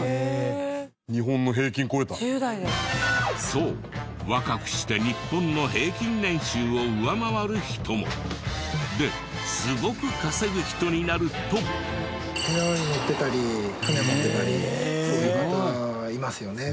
そう若くして日本の平均年収を上回る人も。ですごく稼ぐ人になると。という方いますよね。